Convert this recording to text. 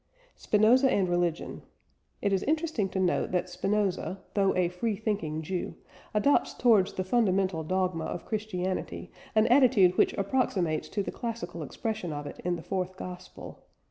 SPINOZA AND RELIGION. It is interesting to note that Spinoza, though a "free thinking" Jew, adopts towards the fundamental dogma of Christianity an attitude which approximates to the classical expression of it in the Fourth Gospel.